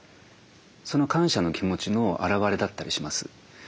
その感謝の気持ちの表れだったりします。